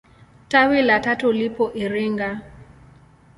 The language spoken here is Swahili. Tawi la tatu lipo Iringa.